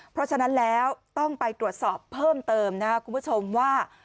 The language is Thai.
เพราะฉะนั้นแล้วต้องไปตรวจสอบเพิ่มเติมนะครับคุณผู้ชมว่า